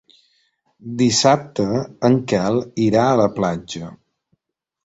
Dissabte en Quel irà a la platja.